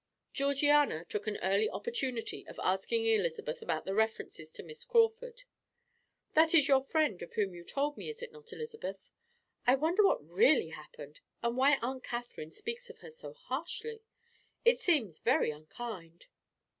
Georgiana took an early opportunity of asking Elizabeth about the references to Miss Crawford. "That is your friend of whom you told me, is it not, Elizabeth? I wonder what really happened, and why Aunt Catherine speaks of her so harshly. It seems very unkind."